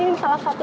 ini salah satu